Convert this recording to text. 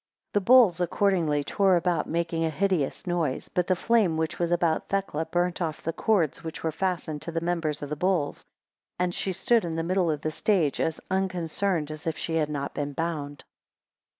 13 The bulls accordingly tore about, making a most hideous noise; but the flame which was about Thecla, burnt off the cords which were fastened to the members of the bulls, and she stood in the middle of the stage, as unconcerned as if she had not been bound.